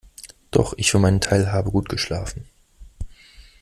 Doch, ich für meinen Teil, habe gut geschlafen.